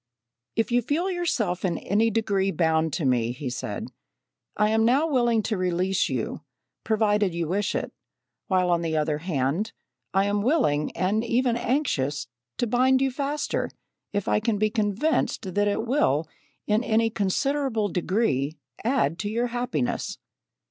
"If you feel yourself in any degree bound to me [he said], I am now willing to release you, provided you wish it; while, on the other hand, I am willing and even anxious, to bind you faster, if I can be convinced that it will in any considerable degree add to your happiness.